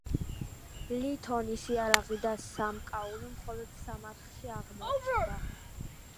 ლითონის იარაღი და სამკაული მხოლოდ ზოგიერთი მამაკაცის სამარხში აღმოჩნდა.